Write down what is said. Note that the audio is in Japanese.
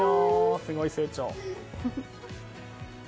すごい成長！